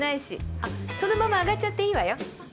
あそのまま上がっちゃっていいわよ。